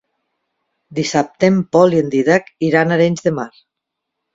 Dissabte en Pol i en Dídac iran a Arenys de Mar.